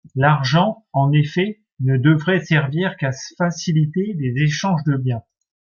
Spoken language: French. L'argent, en effet, ne devrait servir qu'à faciliter les échanges de biens.